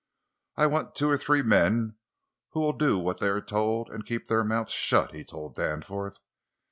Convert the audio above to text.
"I want two or three men who will do what they are told and keep their mouths shut," he told Danforth.